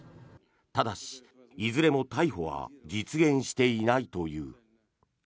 ただし、いずれも逮捕は実現していないという。